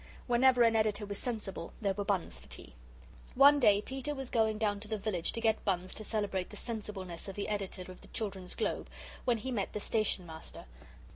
Whenever an Editor was sensible there were buns for tea. One day Peter was going down to the village to get buns to celebrate the sensibleness of the Editor of the Children's Globe, when he met the Station Master.